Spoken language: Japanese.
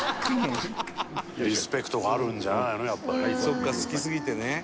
「そっか好きすぎてね」